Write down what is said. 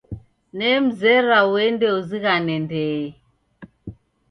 Nemreza uende uzighane ndee.